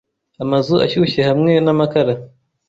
Amazu ashyushye hamwe namakara